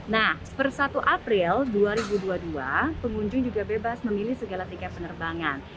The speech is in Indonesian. nah per satu april dua ribu dua puluh dua pengunjung juga bebas memilih segala tiket penerbangan